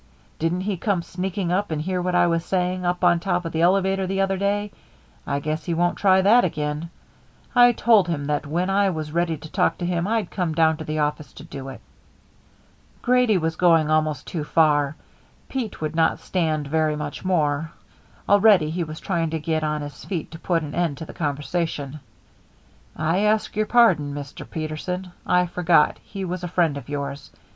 Didn't he come sneaking up and hear what I was saying up on top of the elevator the other day? I guess he won't try that again. I told him that when I was ready to talk to him, I'd come down to the office to do it." Grady was going almost too far; Pete would not stand very much more; already he was trying to get on his feet to put an end to the conversation. "I ask your pardon, Mr. Peterson. I forgot he was a friend of yours.